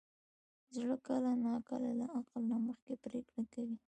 زړه کله ناکله له عقل نه مخکې پرېکړه کوي.